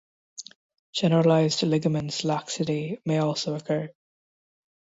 Generalized ligaments laxity may also occur.